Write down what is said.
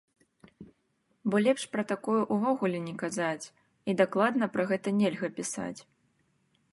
Бо лепш пра такое ўвогуле не казаць і дакладна пра гэта нельга пісаць.